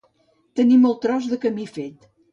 Tenir molt tros de camí fet.